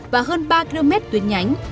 và hơn ba km tuyến nhánh